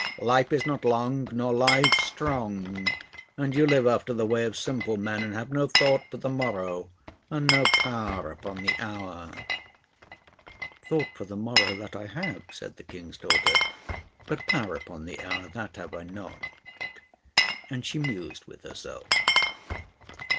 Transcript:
Life is not long, nor lives strong; and you live after the way of simple men, and have no thought for the morrow and no power upon the hour." "Thought for the morrow, that I have," said the King's daughter; "but power upon the hour, that have I not." And she mused with herself.